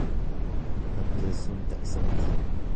Fakkeessuun ta'isa miti.